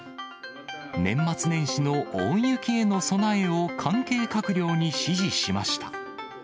年末年始の大雪への備えを、関係閣僚に指示しました。